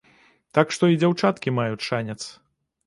Так што і дзяўчаткі маюць шанец.